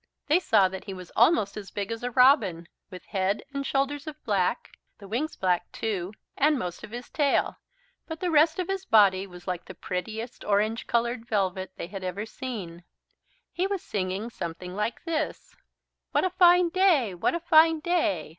They saw that he was almost as big as a robin, with head and shoulders of black, the wings black too, and most of his tail. But the rest of his body was like the prettiest orange coloured velvet they had ever seen. He was singing something like this: "What a fine day, what a fine day.